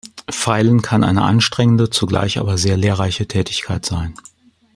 Feilen kann eine anstrengende, zugleich aber sehr lehrreiche Tätigkeit sein.